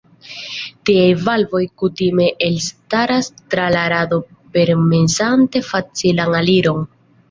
Tiaj valvoj kutime elstaras tra la rado permesante facilan aliron.